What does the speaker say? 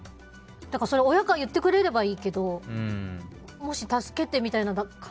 それを親が言ってくれればいいけどもし、助けてみたいな。